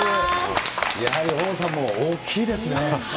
やはり大野さんも大きいです